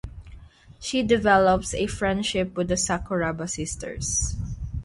She develops a friendship with the Sakuraba sisters.